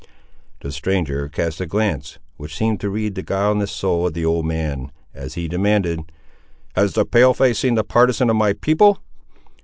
The stranger cast a glance, which seemed to read the guileless soul of the old man, as he demanded— "Has the Pale face seen the partisan of my people?"